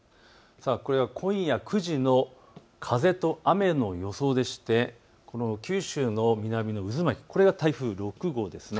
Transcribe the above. これは今夜９時の風と雨の予想で九州の南の渦巻き、これが台風６号です。